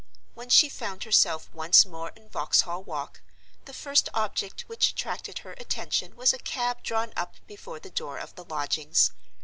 When she found herself once more in Vauxhall Walk, the first object which attracted her attention was a cab drawn up before the door of the lodgings.